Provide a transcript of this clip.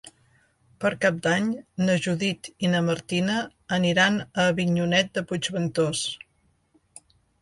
Per Cap d'Any na Judit i na Martina aniran a Avinyonet de Puigventós.